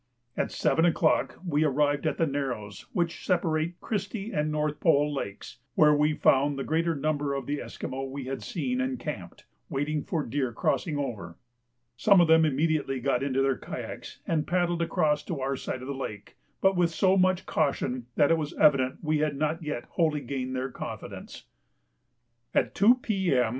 At 7 o'clock we arrived at the narrows which separate Christie and North Pole Lakes, where we found the greater number of the Esquimaux we had seen, encamped, waiting for deer crossing over. Some of them immediately got into their kayaks and paddled across to our side of the lake, but with so much caution that it was evident we had not yet wholly gained their confidence. At 2 P.M.